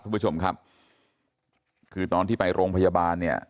คุณผู้ชมครับคือตอนที่ไปโรงพยาบาลเนี่ย